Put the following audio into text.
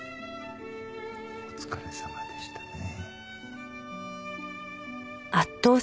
お疲れさまでしたね。